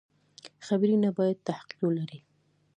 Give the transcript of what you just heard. خبرې نه باید تحقیر ولري.